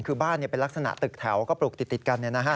คือบ้านเป็นลักษณะตึกแถวก็ปลูกติดกัน